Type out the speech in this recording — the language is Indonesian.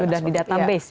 sudah di data base ya